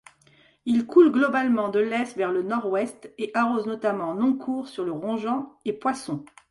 Il coule globalement de l'est vers le nord-ouest et arrose notamment Noncourt-sur-le-Rongeant et Poissons.